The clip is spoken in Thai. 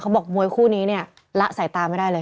บอกมวยคู่นี้เนี่ยละสายตาไม่ได้เลย